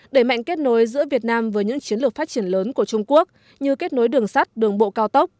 đẩy mạnh kết nối giữa việt nam với những chiến lược phát triển lớn của trung quốc như kết nối đường sắt đường bộ cao tốc